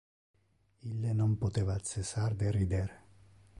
Ille non poteva cessar de rider.